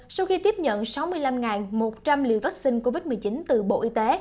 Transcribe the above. sau khi tiếp nhận sáu mươi năm một trăm linh liều vaccine covid một mươi chín từ bộ y tế